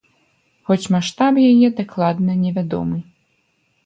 Хоць маштаб яе дакладна невядомы.